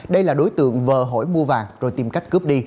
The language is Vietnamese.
đây là đối tượng vờ hỏi mua vàng rồi tìm cách cướp đi